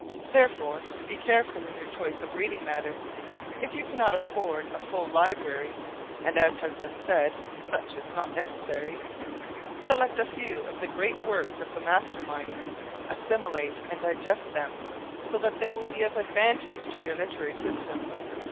Therefore, be careful in your choice of reading matter. If you cannot afford a full library, and as has been said, such is not necessary, select a few of the great works of the master minds, assimilate and digest them, so that they will be of advantage to your literary system.